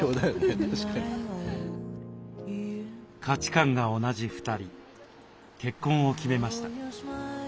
価値観が同じ２人結婚を決めました。